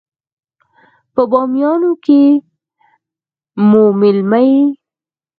په بامیانو کې مو مېلمه يې.